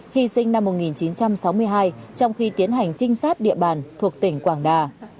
hy sinh năm một nghìn chín trăm sáu mươi hai trong khi tiến hành trinh sát địa bàn thuộc tỉnh quảng đà